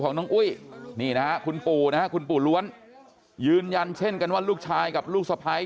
น้องอุ้ยนี่นะฮะคุณปู่นะฮะคุณปู่ล้วนยืนยันเช่นกันว่าลูกชายกับลูกสะพ้าย